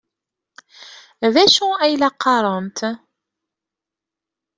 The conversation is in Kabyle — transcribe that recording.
D acu ay la qqarent?